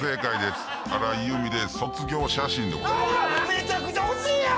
めちゃくちゃ惜しいやん！